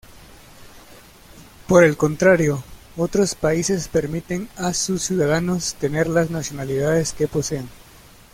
Por el contrario, otros países permiten a sus ciudadanos tener las nacionalidades que posean.